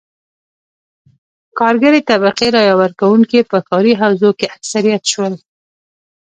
کارګرې طبقې رایه ورکوونکي په ښاري حوزو کې اکثریت شول.